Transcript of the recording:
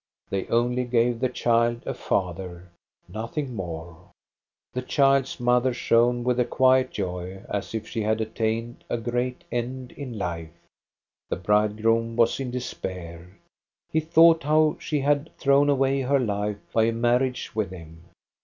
They only gave the child a father, nothing more. 394 THE STORY OF GOSTA BE RUNG The child's mother shpne with a quiet joy, as if she had attained a great end in life. The bridegroom was in despair. He thought how she had thrown away her life by a marriage with him.